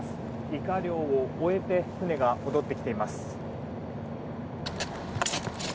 イカ漁を終えて船が戻ってきています。